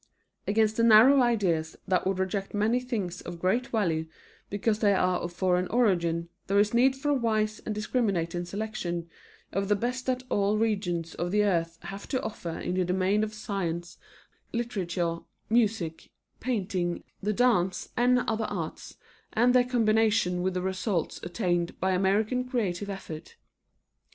Against the narrow ideas that would reject many things of great value because they are of foreign origin, there is need for a wise and discriminating selection of the best that all regions of the earth have to offer in the domain of science, literature, music, painting, the dance, and other arts, and their combination with the results attained by American creative effort.